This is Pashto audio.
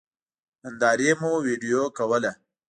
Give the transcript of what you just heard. نندارې مو وېډيو کوله.